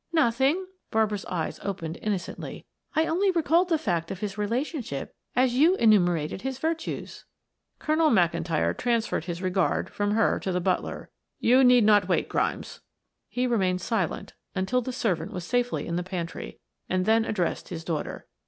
"Nothing," Barbara's eyes opened innocently. "I only recalled the fact of his relationship as you enumerated his virtues." Colonel McIntyre transferred his regard from her to the butler. "You need not wait, Grimes." He remained silent until the servant was safely in the pantry, and then addressed his daughter.